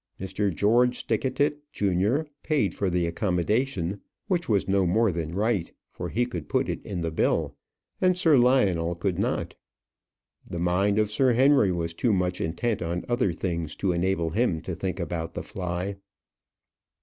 Mr. George Stickatit, junior, paid for the accommodation; which was no more than right, for he could put it in the bill, and Sir Lionel could not. The mind of Sir Henry was too much intent on other things to enable him to think about the fly.